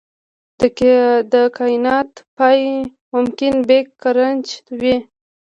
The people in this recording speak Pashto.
د کائنات پای ممکن بیګ کرنچ وي.